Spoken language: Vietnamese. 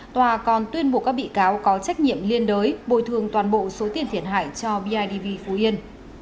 tòa còn tuyên bộ các bị cáo có trách nhiệm liên đới bồi thường toàn bộ số tiền thiệt hại cho bidv phú yên